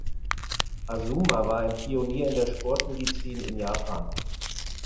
Azuma war ein Pionier in der Sportmedizin in Japan.